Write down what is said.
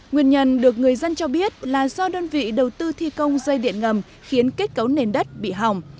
nguyên nhân được người dân cho biết là do đơn vị đầu tư thi công dây điện ngầm khiến kết cấu nền đất bị hỏng